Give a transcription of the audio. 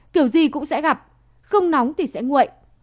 kiểu gì cũng sẽ gặp không nóng thì sẽ nguội